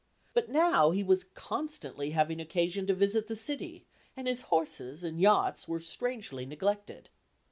But now he was constantly having occasion to visit the city, and horses and yachts were strangely neglected.